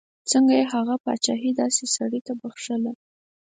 څنګه یې هغه پاچهي داسې سړي ته بخښله.